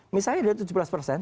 misalnya sudah tujuh belas persen